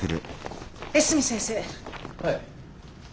はい。